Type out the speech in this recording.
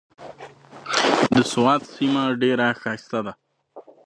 د سوات سيمه ډېره ښايسته ده۔